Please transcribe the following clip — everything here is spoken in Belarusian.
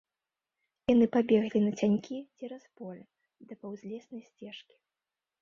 Яны пабеглі нацянькі цераз поле да паўзлеснай сцежкі.